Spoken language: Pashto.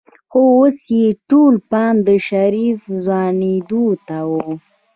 خو اوس يې ټول پام د شريف ځوانېدو ته و.